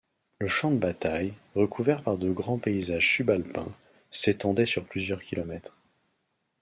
Le champ de bataille, recouvert par de grands paysages subalpins, s'étendait sur plusieurs kilomètres.